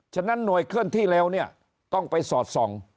ฉะนั้นหน่วยเคลื่อนที่เร็วเนี่ยต้องไปสอดส่อง